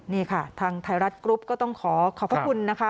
นี่ค่ะทางไทยรัฐกรุ๊ปก็ต้องขอขอบพระคุณนะคะ